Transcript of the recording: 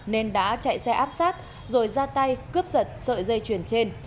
nên đã chạy xe áp sát rồi ra tay cướp giật sợi dây chuyền trên